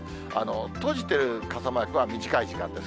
閉じてる傘マークは短い時間です。